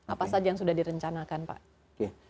apa saja yang sudah direncanakan pak